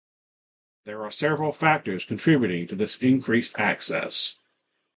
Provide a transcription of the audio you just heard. There are several factors contributing to this increased access.